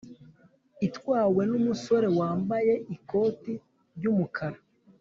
itwawe n’umusore wambaye ikoti ry’umukara.